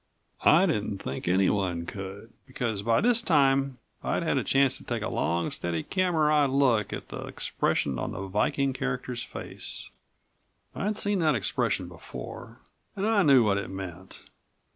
I didn't think anyone could, because by this time I'd had a chance to take a long, steady, camera eye look at the expression on the Viking character's face. I'd seen that expression before and I knew what it meant.